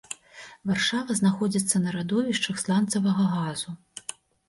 Варшава знаходзіцца на радовішчах сланцавага газу.